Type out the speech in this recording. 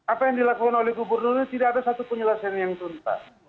apa yang dilakukan oleh gubernur ini tidak ada satu penyelesaian yang tuntas